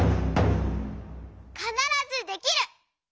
「かならずできる！」。